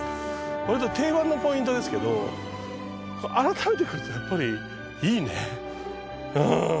わりと定番のポイントですけど改めて来るとやっぱりいいね。